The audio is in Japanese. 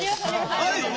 あるよね！